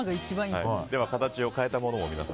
形を変えたものも皆さん